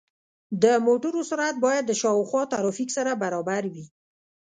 د موټرو سرعت باید د شاوخوا ترافیک سره برابر وي.